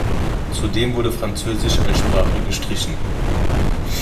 Zudem wurde Französisch als Sprache gestrichen.